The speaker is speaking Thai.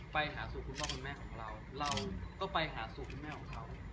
ไปหาสู่คุณพ่อคุณแม่ของเราเราก็ไปหาสู่คุณแม่ของเขา